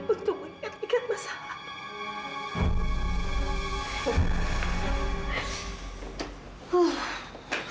untuk mengingat ingat masalah